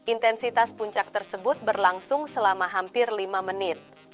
intensitas puncak tersebut berlangsung selama hampir lima menit